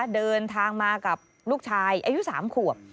เดินทางมากับลูกชายอายุ๓ขวบ